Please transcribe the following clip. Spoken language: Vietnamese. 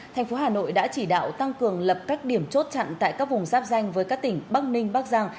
tp hcm đã chỉ đạo tăng cường lập các điểm chốt chặn tại các vùng giáp danh với các tỉnh bắc ninh bắc giang